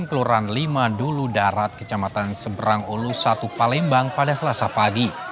kelurahan lima dulu darat kecamatan seberang ulu satu palembang pada selasa pagi